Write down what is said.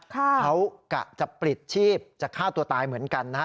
เขากะจะปลิดชีพจะฆ่าตัวตายเหมือนกันนะฮะ